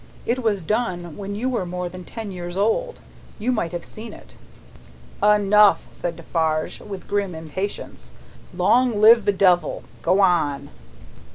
"It was done when you were more than ten years old; you might have seen it." "Enough!" said Defarge, with grim impatience. "Long live the Devil! Go on."